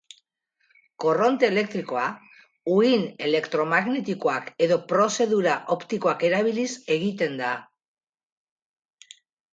Korronte elektrikoa, uhin elektromagnetikoak edo prozedura optikoak erabiliz egiten da.